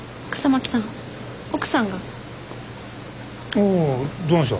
おおどないした。